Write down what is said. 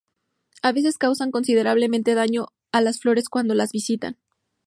A veces causan considerable daño a las flores cuando las visitan.